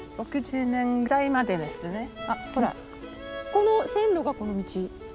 この線路がこの道？